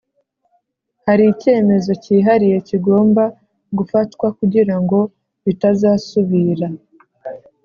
Hari icyemezo kihariye kigomba gufatwa kugira ngo bitazasubira